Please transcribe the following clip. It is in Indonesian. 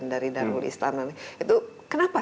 dari darul istana itu kenapa